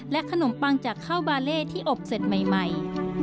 ขนมปังจากข้าวบาเล่ที่อบเสร็จใหม่